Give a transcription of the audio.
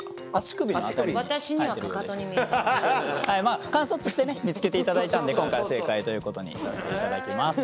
まあ観察して見つけていただいたんで今回は正解ということにさせていただきます。